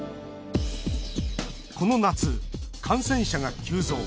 この夏、感染者が急増。